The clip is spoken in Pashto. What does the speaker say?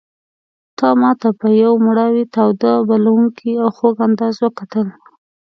تا ماته په یو مړاوي تاوده بلوونکي او خوږ انداز وکتل.